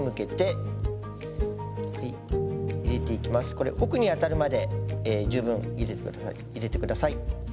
これ奥に当たるまで十分入れて下さい。